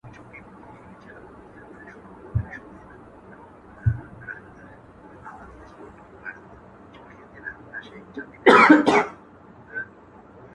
زه به سبا د کور کتابونه ترتيب کړم.